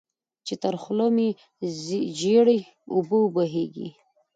چې تر خوله مې ژېړې اوبه وبهېږي.